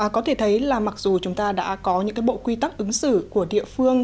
có thể thấy là mặc dù chúng ta đã có những bộ quy tắc ứng xử của địa phương